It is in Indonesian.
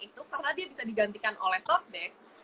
itu karena dia bisa digantikan oleh top deck